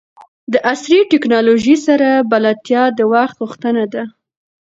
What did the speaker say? د عصري ټکنالوژۍ سره بلدتیا د وخت غوښتنه ده.